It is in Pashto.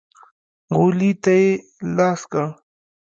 غولي ته يې لاس کړ.